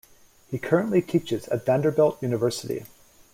He currently teaches at Vanderbilt University.